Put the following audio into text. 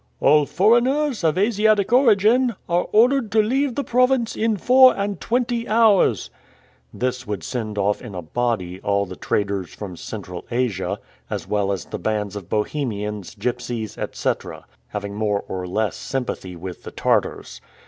"All foreigners of Asiatic origin are ordered to leave the province in four and twenty hours;" this would send off in a body all the traders from Central Asia, as well as the bands of Bohemians, gipsies, etc., having more or less sympathy with the Tartars.